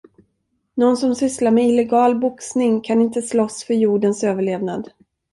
Nån som sysslar med illegal boxning kan inte slåss för jordens överlevnad.